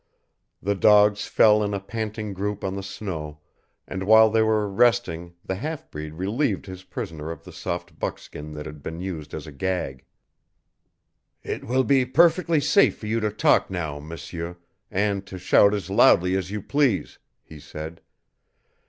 The dogs fell in a panting group on the snow, and while they were resting the half breed relieved his prisoner of the soft buckskin that had been used as a gag. "It will be perfectly safe for you to talk now, M'seur, and to shout as loudly as you please," he said.